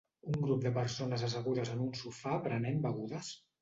Un grup de persones assegudes en un sofà prenent begudes.